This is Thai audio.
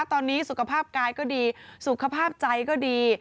ตอนนี้สุขภาพกายก็ดีสุขภาพใจก็ดี